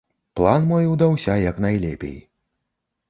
План мой удаўся як найлепей.